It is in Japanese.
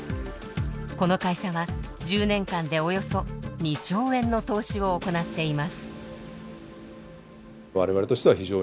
この会社は１０年間でおよそ２兆円の投資を行っています。